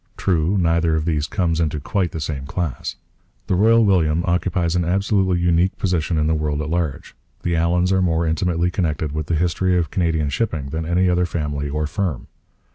True, neither of these comes into quite the same class. The Royal William occupies an absolutely unique position in the world at large. The Allans are more intimately connected with the history of Canadian shipping than any other family or firm.